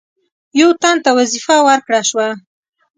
یو تن ته وظیفه ورکړه شوه.